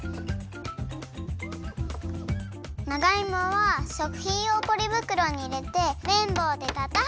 長いもはしょくひんようポリぶくろにいれてめんぼうでたたく！